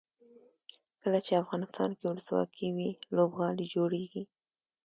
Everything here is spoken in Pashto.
کله چې افغانستان کې ولسواکي وي لوبغالي جوړیږي.